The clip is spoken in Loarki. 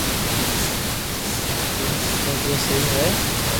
مپسي ڪاو ڪروُ کپي جي سھي ھوئي